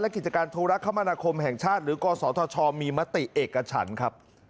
และกิจการโทรคมนาคมแห่งชาติหรือกศทมีมติเอกชันครับ